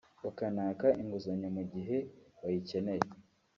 bakanaka inguzanyo mu gihe bayikeneye